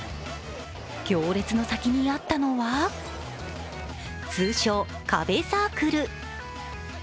行列の先にあったのは通称・壁サークル。